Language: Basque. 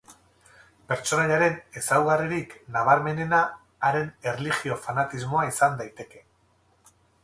Pertsonaiaren ezaugarririk nabarmenena haren erlijio-fanatismoa izan daiteke.